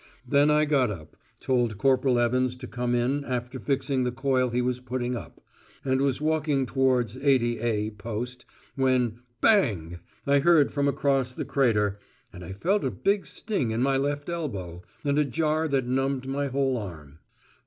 Then I got up, told Corporal Evans to come in after fixing the coil he was putting up, and was walking towards 80A post, when "Bang" I heard from across the crater, and I felt a big sting in my left elbow, and a jar that numbed my whole arm.